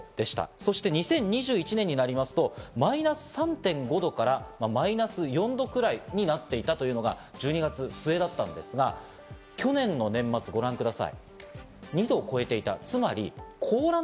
そして２０２１年になりますと、マイナス３．５度からマイナス４度ぐらいになっていたというのが１２月末だったんですが、去年の年末をご覧ください。